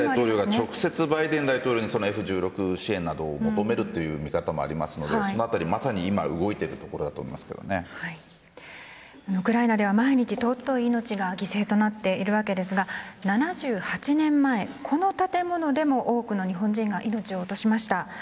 直接バイデン大統領にＦ−１６支援を求める見方もあるのでそのあたり動いているところだとウクライナでは毎日、尊い命が犠牲となっているわけですが７８年前この建物でも多くの日本人が命を落としました。